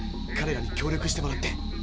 かれらに協力してもらって。